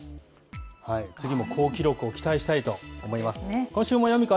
次も好記録を期待したいと思います。